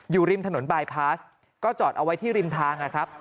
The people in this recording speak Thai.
อยู่ริมถนนบายพาสก็จอดเอาไว้ที่ริมทางนะครับ